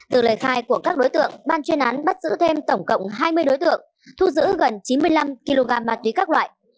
từ lời khai của các đối tượng ban chuyên án bắt giữ thêm tổng cộng hai mươi đối tượng thu giữ gần chín mươi năm kg ma túy các loại